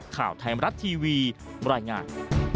ข่าวไทยมรัฐทีวีบรรยายงาน